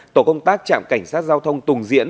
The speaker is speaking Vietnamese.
tổ công tác trạm cảnh sát giao thông tùng diễn